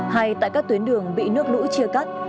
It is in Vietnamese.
hay tại các tuyến đường bị nước lũ chia cắt